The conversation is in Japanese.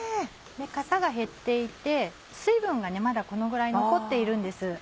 かさが減っていて水分がまだこのぐらい残っているんです。